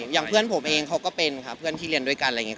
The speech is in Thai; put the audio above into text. อย่างเพื่อนผมเองเขาก็เป็นค่ะเพื่อนที่เรียนด้วยกันอะไรอย่างนี้